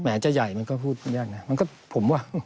แหมจะใหญ่มันก็พูดไม่ได้นะมันก็ผมว่า